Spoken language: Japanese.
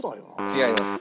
違います。